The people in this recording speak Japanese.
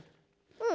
うん。